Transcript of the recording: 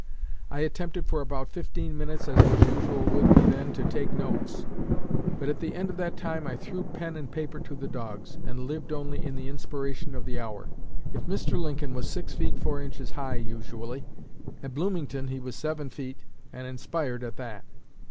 I attempted for about fifteen minutes, as was usual with me then, to take notes; but at the end of that time I threw pen and paper to the dogs, and lived only in the inspiration of the hour. If Mr. Lincoln was six feet four inches high usually, at Bloomington he was seven feet, and inspired at that.